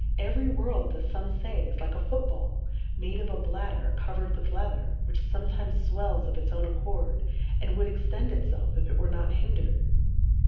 Every World, as fome fay, is like a Foot Ball, made of a Bladder, coverM with Leather, which fometimes fwellsofits own accord, and would extend it felf, if it were not hin dred.